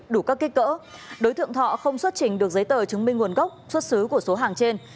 đủ các kích cỡ đối tượng thọ không xuất trình được giấy tờ chứng minh nguồn gốc xuất xứ của số hàng trên